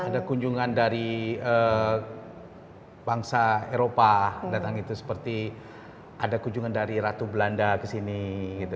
ada kunjungan dari bangsa eropa datang itu seperti ada kunjungan dari ratu belanda ke sini gitu